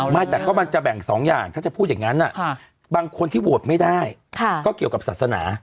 ไม่แต่ก็มันจะแบ่ง๒อย่างถ้าจะพูดอย่างนั้นบางคนที่โหวตไม่ได้ก็เกี่ยวกับศาสนา